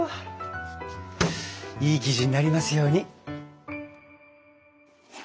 いい生地になりますように。